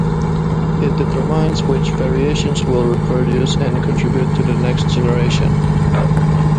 It determines which variations will reproduce and contribute to the next generation.